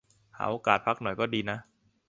หาโอกาสพักหน่อยก็ดีนะ